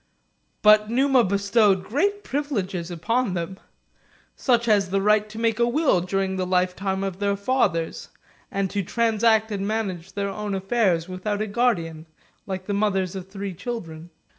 But Numa bestowed great privileges upon them, such as the right to make a will during the life time of their fathers, and to transact and manage their other affairs without a guardian, like the mothers of three children.